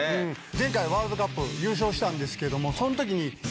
前回ワールドカップ優勝したんですけどもその時に。